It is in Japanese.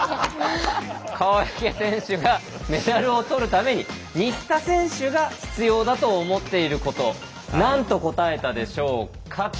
川除選手がメダルを取るために新田選手が必要だと思っていること何と答えたでしょうか？